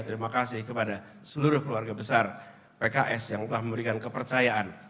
terima kasih kepada seluruh keluarga besar pks yang telah memberikan kepercayaan